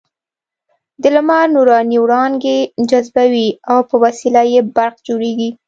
د لمر نوراني وړانګې جذبوي او په وسیله یې برق جوړېږي.